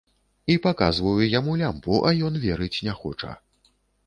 І паказваю яму лямпу, а ён верыць не хоча.